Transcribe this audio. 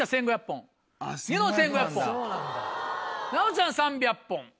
本奈央ちゃん３００本。